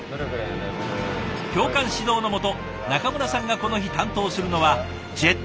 教官指導の下中村さんがこの日担当するのはジェットエンジン。